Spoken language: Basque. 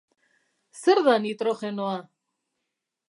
Zer da nitrogenoa?